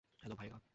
Hello, ভায়েরা।